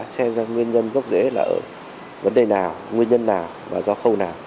xem ra nguyên nhân gốc dễ là vấn đề nào nguyên nhân nào và do khâu nào